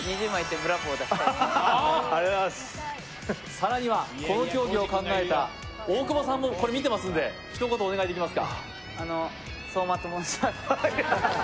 さらにはこの競技を考えた大久保さんも、これ見てますのでひと言お願いできますか？